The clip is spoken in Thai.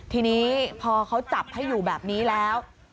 ทีนี้พอเขาจับให้อยู่แบบนี้แล้ว